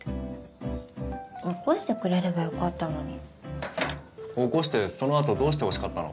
起こしてくれればよかったのに起こしてそのあとどうしてほしかったの？